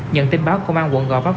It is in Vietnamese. nhận tin báo công an quận gò vấp